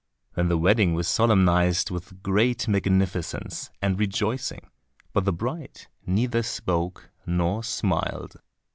Then the wedding was solemnized with great magnificence and rejoicing, but the bride neither spoke nor smiled.